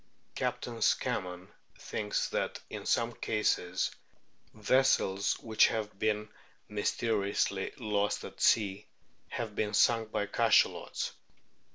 Captain Scammon thinks that in some cases vessels which have been mysteriously lost at sea have been sunk by Cachalots.